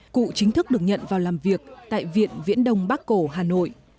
cụ chính thức được nhận vào làm việc tại viện viễn đông bắc cổ hà nội